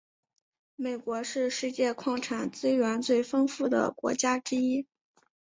美国是世界矿产资源最丰富的国家之一。